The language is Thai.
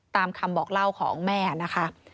ตามคำบอกเล่าของแม่นะคะ